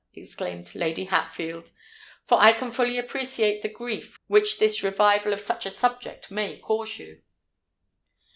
exclaimed Lady Hatfield; "for I can fully appreciate the grief which this revival of such a subject must cause you!"